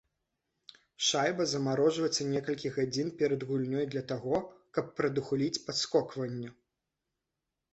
Шайба замарожваецца некалькі гадзін перад гульнёй для таго, каб прадухіліць падскокванні.